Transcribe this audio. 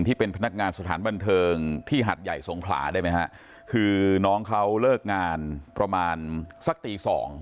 ที่เป็นพนักงานสถานบันเทิงที่หัดใหญ่สงขลาได้ไหมฮะคือน้องเขาเลิกงานประมาณสักตีสอง